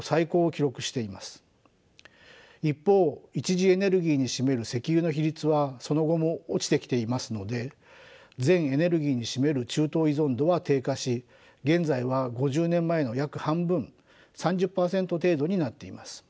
一方一次エネルギーに占める石油の比率はその後も落ちてきていますので全エネルギーに占める中東依存度は低下し現在は５０年前の約半分３０％程度になっています。